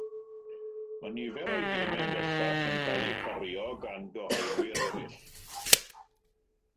Mae nifer o'u gemau bellach yn cael eu cario gan gyhoeddwyr eraill.